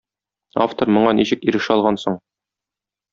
Автор моңа ничек ирешә алган соң?